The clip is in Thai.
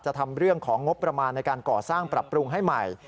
ทำเรื่องของงบประมาณในการก่อสร้างปรับปรุงให้ใหม่